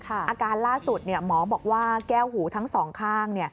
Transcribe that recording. อาการล่าสุดหมอบอกว่าแก้วหูทั้งสองข้าง